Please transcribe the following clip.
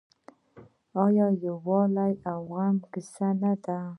آیا د یووالي او زغم کیسه نه ده؟